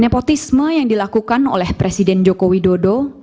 nepotisme yang dilakukan oleh presiden joko widodo